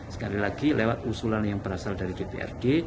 sekali lagi lewat usulan yang berasal dari dprd